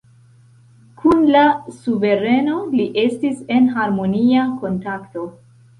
Kun la suvereno li estis en harmonia kontakto.